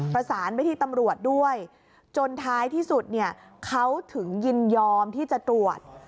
ประสานไปที่ตำรวจด้วยจนท้ายที่สุดเนี่ยเขาถึงยินยอมที่จะตรวจ